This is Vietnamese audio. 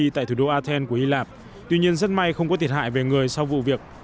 tại thủ đô athens của hy lạp tuy nhiên rất may không có thiệt hại về người sau vụ việc